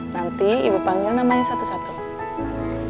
nanti ibu panggil namanya satu satu